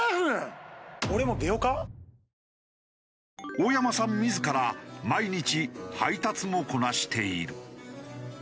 大山さん自ら毎日配達もこなしている。